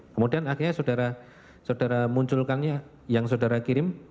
kemudian akhirnya saudara munculkannya yang saudara kirim